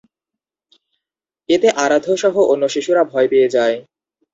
এতে আরাধ্যসহ অন্য শিশুরা ভয় পেয়ে যায়।